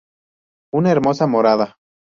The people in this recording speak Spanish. Una hermosa morada.